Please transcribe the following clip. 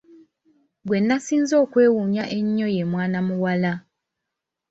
Gwe nasinze okwewuunya ennyo ye mwana muwala.